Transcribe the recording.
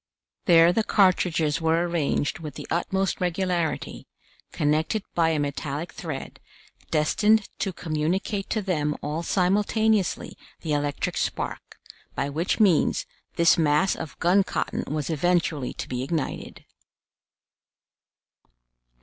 There the cartridges were arranged with the utmost regularity, connected by a metallic thread, destined to communicate to them all simultaneously the electric spark, by which means this mass of gun cotton was eventually to be ignited.